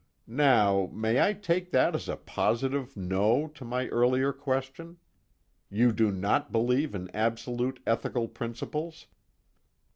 Now, may I take that as a positive no to my earlier question: you do not believe in absolute ethical principles?"